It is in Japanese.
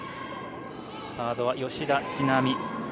サードは吉田知那美。